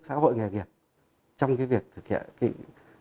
các tổ chức xã hội nghề nghiệp trong cái việc thực hiện